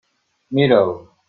Mira'l!